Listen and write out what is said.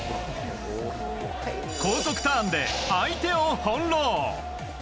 高速ターンで相手をほんろう。